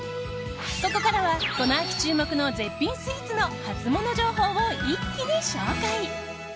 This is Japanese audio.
ここからは、この秋注目の絶品スイーツのハツモノ情報を一気に紹介！